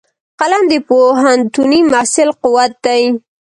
قلم د پوهنتوني محصل قوت دی